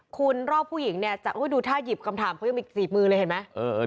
คุณรอบผู้หญิงเนี่ยดูท่าหยิบคำถามเขายังมีอีก๔มือเลยเห็นไหม